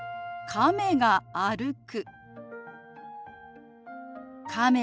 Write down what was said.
「亀が歩く」。